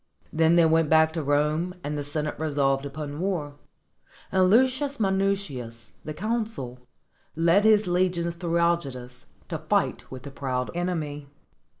Then they went back to Rome, and the Senate resolved upon war: and Lucius Minucius, the consul, led his legions towards Algidus, to fight with the proud enemy.